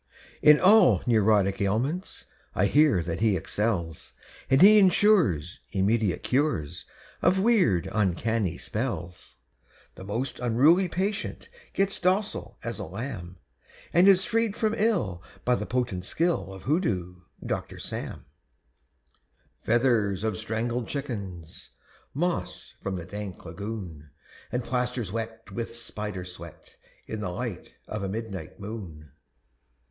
_ In all neurotic ailments I hear that he excels, And he insures Immediate cures Of weird, uncanny spells; The most unruly patient Gets docile as a lamb And is freed from ill by the potent skill Of Hoodoo Doctor Sam; Feathers of strangled chickens, Moss from the dank lagoon, _And plasters wet With spider sweat In the light of a midnight moon!